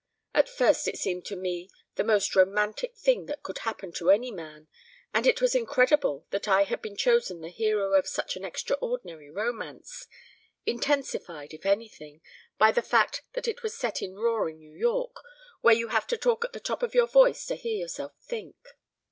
At first it seemed to me the most romantic thing that could happen to any man, and it was incredible that I had been chosen the hero of such an extraordinary romance intensified, if anything, by the fact that it was set in roaring New York, where you have to talk at the top of your voice to hear yourself think.